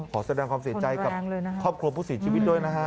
ขอแสดงความเสียใจกับครอบครัวผู้เสียชีวิตด้วยนะฮะ